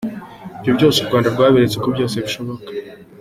Ibyo byose u Rwanda rwaberetse ko byose bishoboka.